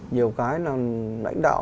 nhiều cái là lãnh đạo